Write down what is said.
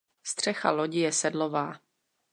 Střecha lodi je sedlová.